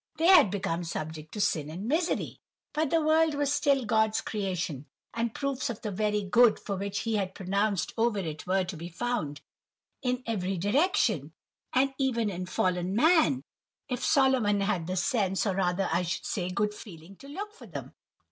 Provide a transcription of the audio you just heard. "They had become subject to sin and misery; but the world was still God's creation, and proofs of the 'very good' which He had pronounced over it were to be found in every direction, and even in fallen man, if Solomon had had the sense, or rather I should say, good feeling to look for them.